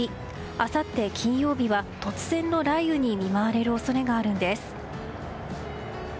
あさって金曜日は突然の雷雨に見舞われる恐れがあるんです。